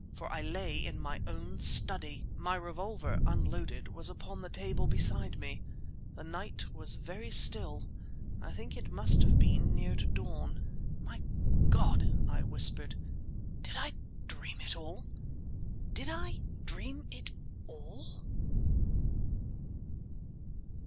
for I lay in my own study! My revolver, unloaded, was upon the table beside me. The night was very still. I think it must have been near to dawn. "My God!" I whispered, "did I dream it all? Did I dream it all?"